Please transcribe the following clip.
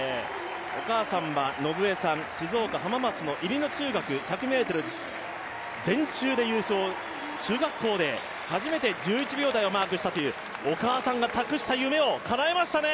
お母さんは伸江さん、静岡・浜松の１００ｍ全中で優勝、初めて１１秒台をマークしたという、お母さんが託した夢を叶えましたね。